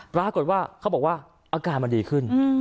ปรากฏว่าเขาบอกว่าอาการมันดีขึ้น